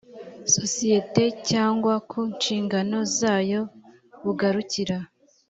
sosiyete cyangwa ku nshingano zayo bugarukira